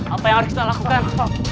apa yang harus kita lakukan